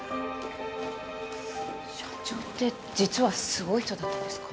社長って実はすごい人だったんですか？